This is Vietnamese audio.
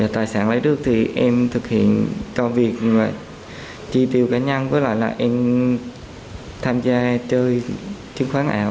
tài sản lấy nước thì em thực hiện cho việc chi tiêu cá nhân với lại là em tham gia chơi chứng khoán ảo